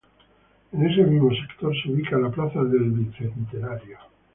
En ese mismo sector se ubica la Plaza del Bicentenario.